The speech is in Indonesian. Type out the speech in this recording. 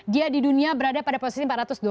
dia di dunia berada pada posisi empat ratus dua puluh